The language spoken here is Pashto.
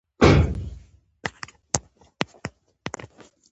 د شاته پاتې ماشومانو لپاره ښوونځي پرانیستل کیږي.